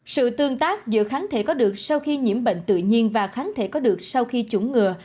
sự tương tác giữa kháng thể có được sau khi nhiễm bệnh tự nhiên và kháng thể có được sau khi chủng ngừa